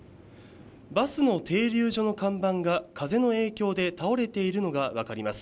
バスの停留所の看板が風の影響で倒れているのが分かります。